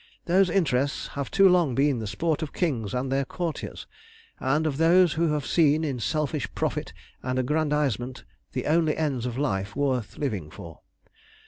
Those interests have too long been the sport of kings and their courtiers, and of those who have seen in selfish profit and aggrandisement the only ends of life worth living for.